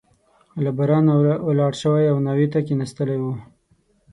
له بارانه ولاړ شوی او ناوې ته کښېنستلی وو.